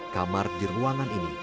kamar di ruangan ini